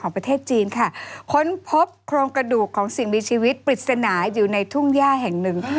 ประเทศจีนค่ะค้นพบโครงกระดูกของสิ่งมีชีวิตปริศนาอยู่ในทุ่งย่าแห่งหนึ่ง